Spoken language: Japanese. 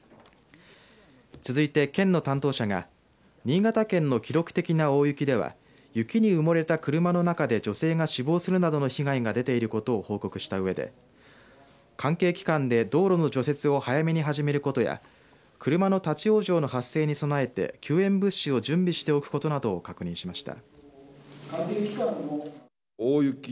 続いて県の担当者が新潟県の記録的な大雪では雪に埋もれた車の中で女性が死亡するなどの被害が出ていることを報告したうえで関係機関で道路の除雪を早めに始めることや車の立往生の発生に備えて救援物資を準備しておくことなどを確認しました。